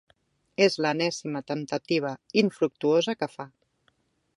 És l'enèsima temptativa infructuosa que fa.